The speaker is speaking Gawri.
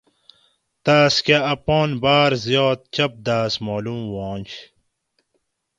تاۤس کہ اپان باۤر زیات چپداۤس معلوم ہوانش